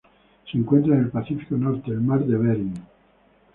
Se encuentra en el Pacífico norte: el Mar de Bering.